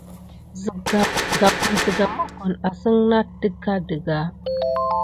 Gabba sikà mokoni asane wuke horike amà a nat aɗakiga.